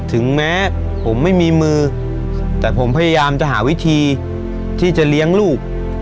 ถึงแม้ผมไม่มีมือแต่ผมพยายามจะหาวิธีที่จะเลี้ยงลูก